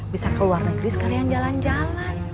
bisa ke luar negeri sekalian jalan jalan